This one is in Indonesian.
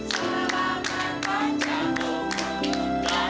selamat malam kami ucapkan